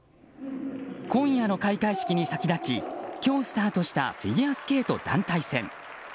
今夜の開会式に先立ち今日スタートしたフィギュアスケート団体戦。